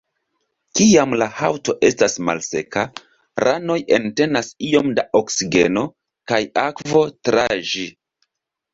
Kiam la haŭto estas malseka, ranoj entenas iom da oksigeno kaj akvo tra ĝi.